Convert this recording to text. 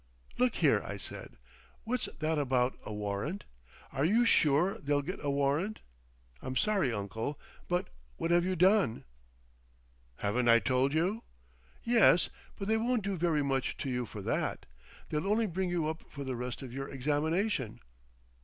"Look here!" I said. "What's that about—a warrant? Are you sure they'll get a warrant? I'm sorry uncle; but what have you done?" "Haven't I told you?" "Yes, but they won't do very much to you for that. They'll only bring you up for the rest of your examination."